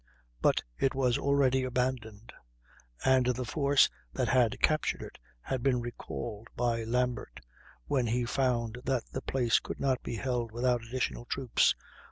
But it was already abandoned, and the force that had captured it had been recalled by Lambert, when he found that the place could not be held without additional troops.